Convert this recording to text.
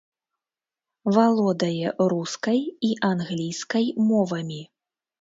Валодае рускай і англійскай мовамі.